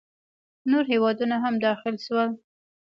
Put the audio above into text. نور هیوادونه هم داخل شول.